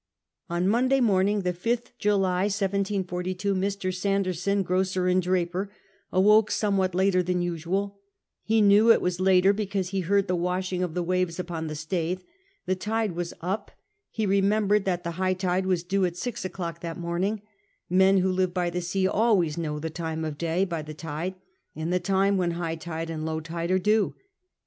Oil Monday morning, the /Sth July 1742, ]\rr. Sanderson, jjl'ocer and <lraper, awoke somewhat later than usual ; he knew it was later because he heard the washing of the waves ii]K>n the Staithe ; the tide w'as up ; he remembered that the higli tide was due at six o^clock that morning — men wdio live by the sea always know the time of day by the tide, and the time when high tide and low tide are due.